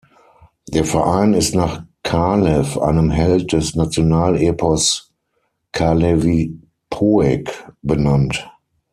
Der Verein ist nach Kalev, einem Held des Nationalepos Kalevipoeg benannt.